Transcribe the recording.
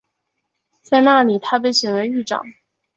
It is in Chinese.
在那里他被选为狱长。